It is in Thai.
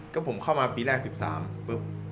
ก็ผมเข้ามาปีแรก๑๓ปุ๊บ